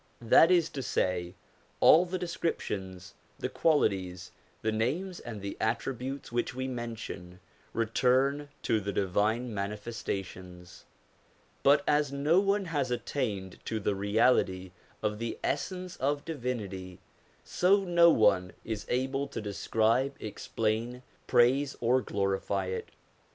That is to say, all the descriptions, the qualities, the names and the attributes which we mention, return to the Divine Manifestations ; but as no one has attained to the reality of the Essence of Divinity, so no one is able to describe, explain, praise or glorify it.